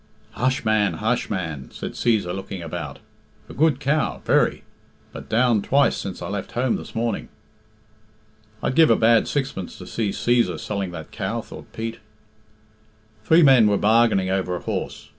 "Hush, man! hush, man!" said Cæsar, looking about. "A good cow, very; but down twice since I left home this morning." "I'd give a bad sixpence to see Cæsar selling that cow," thought Pete. Three men were bargaining over a horse.